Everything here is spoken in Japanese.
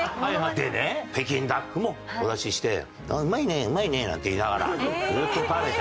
でね北京ダックもお出しして「うまいねうまいね」なんて言いながら色々と食べて。